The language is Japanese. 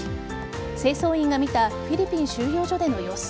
清掃員が見たフィリピン収容所での様子